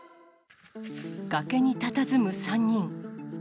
崖にたたずむ３人。